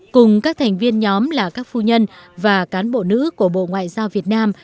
cùng các thành viên nhóm là các phu nhân và cán bộ nữ của bộ ngoại giao việt nam